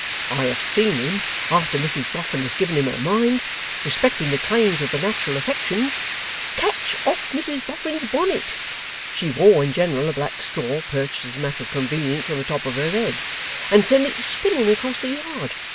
I have seen him, after Mrs Boffin has given him her mind respecting the claims of the nat'ral affections, catch off Mrs Boffin's bonnet (she wore, in general, a black straw, perched as a matter of convenience on the top of her head), and send it spinning across the yard.